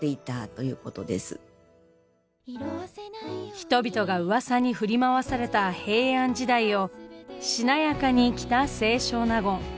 人々がうわさに振り回された平安時代をしなやかに生きた清少納言。